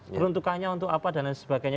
peruntukannya untuk apa dan lain sebagainya